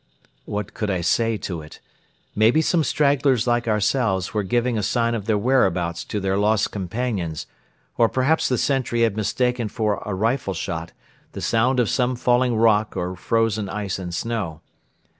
What could I say to it? Maybe some stragglers like ourselves were giving a sign of their whereabouts to their lost companions, or perhaps the sentry had mistaken for a rifle shot the sound of some falling rock or frozen ice and snow.